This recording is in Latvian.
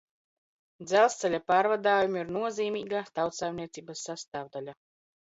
Dzelzce?a p?rvad?jumi ir noz?m?ga tautsaimniec?bas sast?vda?a.